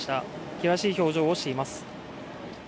険しい表情をしています。